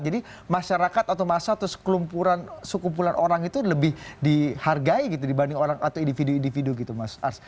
jadi masyarakat atau masa atau sekelumpulan sekumpulan orang itu lebih dihargai gitu dibanding orang atau individu individu gitu mas ars